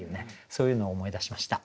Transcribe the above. そういうのを思い出しました。